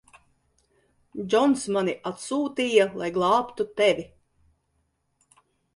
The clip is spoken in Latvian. Džons mani atsūtīja, lai glābtu tevi.